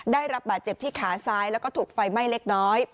ได้รับบาดเจ็บที่ขาซ้ายแล้วก็ถูกไฟไหม้เล็กน้อย